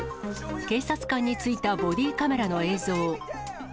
警察官についたボディカメラの映像。